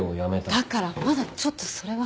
だからまだちょっとそれは。